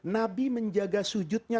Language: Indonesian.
nabi menjaga sujudnya